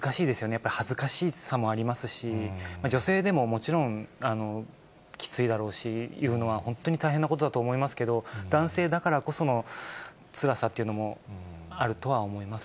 やっぱり恥ずかしさもありますし、女性でももちろんきついだろうし、言うのは本当に大変なことだと思いますけど、男性だからこそのつらさっていうのもあるとは思います。